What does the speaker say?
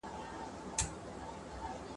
له سړي چي لاره ورکه سي ګمراه سي ..